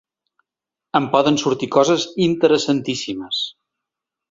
En poden sortir coses interessantíssimes!